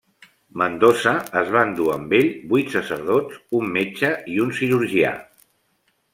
Mendoza es va endur amb ell vuit sacerdots, un metge i un cirurgià.